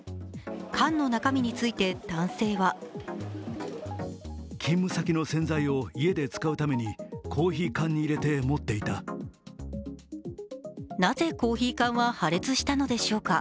缶の中身について男性はなぜコーヒー缶は破裂したのでしょうか。